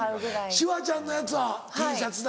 シュワちゃんのやつはＴシャツだ